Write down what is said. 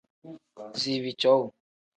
Ziibi cowuu.